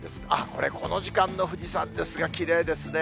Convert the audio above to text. これ、この時間の富士山ですが、きれいですね。